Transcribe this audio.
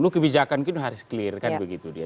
kebijakan kita harus clear kan begitu dia